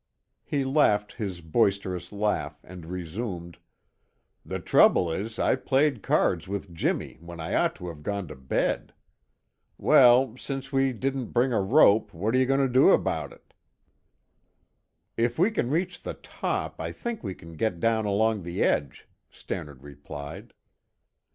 He laughed his boisterous laugh and resumed: "The trouble is, I played cards with Jimmy when I ought to have gone to bed. Well, since we didn't bring a rope, what are you going to do about it?" "If we can reach the top, I think we can get down along the edge," Stannard replied.